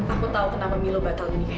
aku tau kenapa milo batal nikah ya